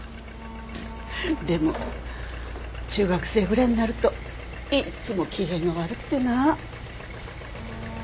でも中学生ぐらいになるといつも機嫌が悪くてな。